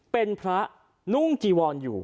เป็นพระนุ่งจีวอนอยู่